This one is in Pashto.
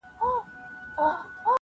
ښه دیقاسم یار چي دا ثواب او دا ګنا کوي,